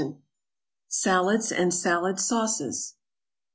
SALADS AND SALAD SAUCES.